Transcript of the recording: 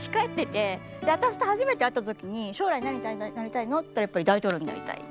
私と初めて会った時に「将来何になりたいの？」って言ったら「大統領になりたい」。